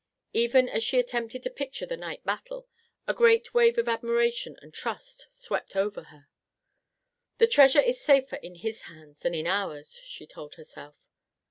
Even as she attempted to picture the night battle, a great wave of admiration and trust swept over her. "The treasure is safer in his hands than in ours," she told herself.